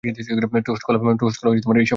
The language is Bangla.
টোষ্ট, কলা এইসব পাওয়া যায়।